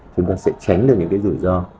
chúng ta sẽ tránh được những cái rủi ro